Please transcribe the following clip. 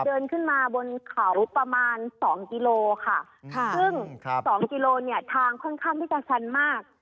เดินขึ้นมาบนเขาประมาณสองกิโลค่ะซึ่งสองกิโลเนี่ยทางค่อนข้างที่จะชันมาก